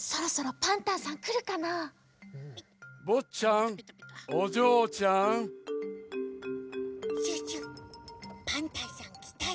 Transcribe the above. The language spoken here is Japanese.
パンタンさんきたよ。